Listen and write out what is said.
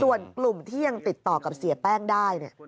ส่วนกลุ่มที่ยังติดต่อกับเสียแป้งได้